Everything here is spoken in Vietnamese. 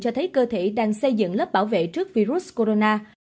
cho thấy cơ thể đang xây dựng lớp bảo vệ trước virus corona